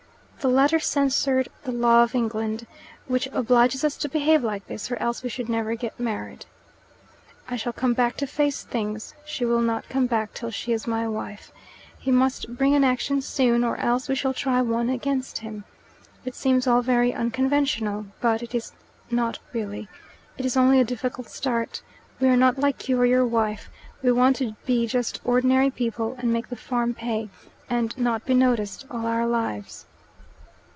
The letter censured the law of England, "which obliges us to behave like this, or else we should never get married. I shall come back to face things: she will not come back till she is my wife. He must bring an action soon, or else we shall try one against him. It seems all very unconventional, but it is not really, it is only a difficult start. We are not like you or your wife: we want to be just ordinary people, and make the farm pay, and not be noticed all our lives."